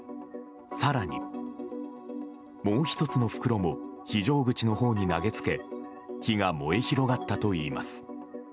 更に、もう１つの袋も非常口のほうに投げつけ火が燃え広がったといいます。